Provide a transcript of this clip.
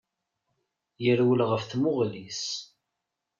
Yerwel ɣef tmuɣli-s.